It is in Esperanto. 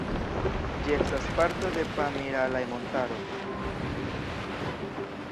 Ĝi estas parto de Pamir-Alaj-Montaro.